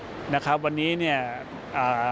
วันนี้เราพัฒนาขึ้นเขาก็ต้องพัฒนา